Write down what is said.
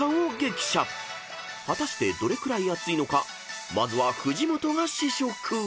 ［果たしてどれくらい熱いのかまずは藤本が試食］